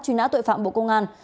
truy nã tội phạm bộ công an